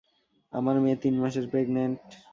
আমার মেয়ে তিন মাসের প্র্যাগনেন্ট।